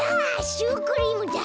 シュークリームだ。